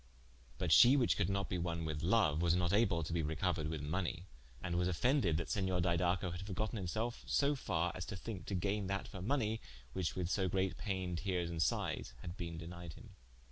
But shee whiche could not be wonne with loue, was not able to be recouered with money: and was offended that Senior Didaco had forgotten himselfe so farre as to thinke to gaine that for money, which with so great paine, teares and sighes, had bene denied him.